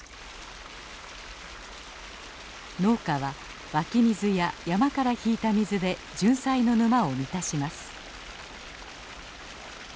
農家は湧き水や山から引いた水でジュンサイの沼を満たします。